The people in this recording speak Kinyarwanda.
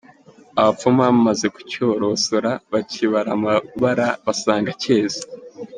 Abapfumu bamaze kucyorosora, bakibara amabara basanga cyeze.